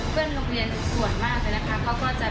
คุณลูกเกียจส่วนมากเลยนะครับเขาก็จะแบบ